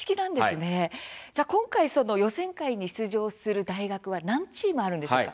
今回、予選会に出場する大学は何チームあるんですか。